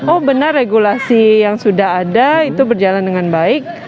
oh benar regulasi yang sudah ada itu berjalan dengan baik